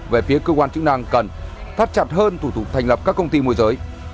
về phía cơ quan chức năng cần thắt chặt hơn thủ tục thành lập các công ty môi giới